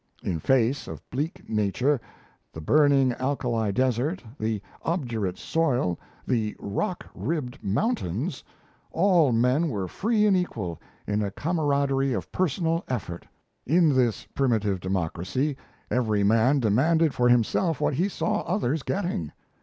In face of bleak Nature the burning alkali desert, the obdurate soil, the rock ribbed mountains, all men were free and equal, in a camaraderie of personal effort. In this primitive democracy, every man demanded for himself what he saw others getting.